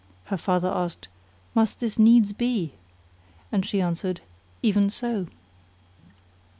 Her father asked, "Must this needs be?" and she answered, "Even so."